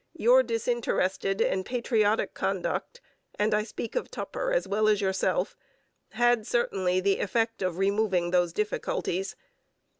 Your disinterested and patriotic conduct and I speak of Tupper as well as yourself had certainly the effect of removing those difficulties.